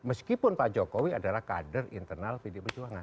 meskipun pak jokowi adalah kader internal pd pejuangan